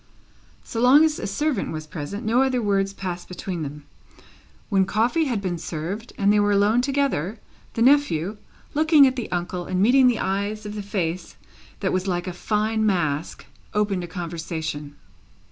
So long as a servant was present, no other words passed between them. When coffee had been served and they were alone together, the nephew, looking at the uncle and meeting the eyes of the face that was like a fine mask, opened a conversation.